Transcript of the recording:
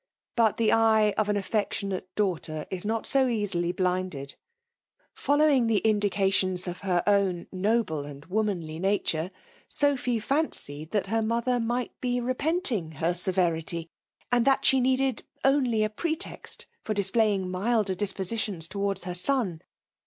But the eye of an affectionate daughter is not so easily blinded* Following the indications of her own noble and womanly nature, Sophy fSmcied that her mother might be repenting her severity, and that she aeeded only a pretext for displaying milder di^Kiaitioss towards her son.